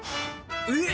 えっ！